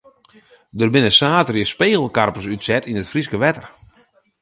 Der binne saterdei spegelkarpers útset yn it Fryske wetter.